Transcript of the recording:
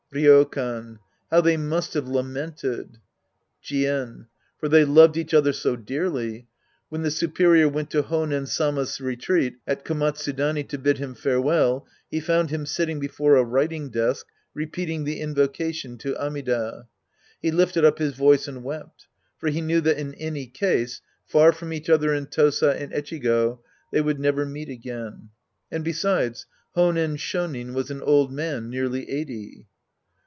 Ryokan. How they must have lamented ! Jien. For they loved each other so dearly. When the superior went to H5nen Sama's retreat at Koma tsudani to bid him farewell, ;he found him sitting before a writing desk repeating the invocation to Amida. He lifted up his voice and wept. For he knew that in any case, far from each other in Tosa and Echigo, they would never meet again. And besides, Honen Shonin was an old man, nearly eighty.